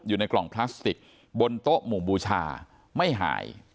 อยู่ในกล่องพลาสติกบนโต๊ะหมู่บูชาไม่หาย